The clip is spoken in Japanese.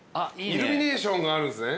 イルミネーションがあるんすね。